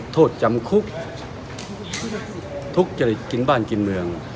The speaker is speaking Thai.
โทษจำคุกทุกข์จริตกินบ้านกินเมือง